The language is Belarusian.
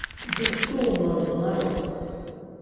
Дык што ў нас за народ?